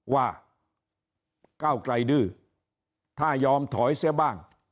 ว่าก้าวไกลดื้อถ้ายอมถอยเสียบ้าง